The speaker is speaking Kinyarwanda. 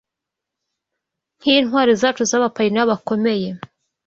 kw'intwari zacu z'abapayiniya bakomeye